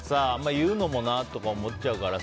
言うのもなって思っちゃうから。